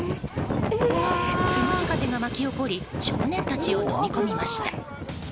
つむじ風が巻き起こり少年たちをのみ込みました。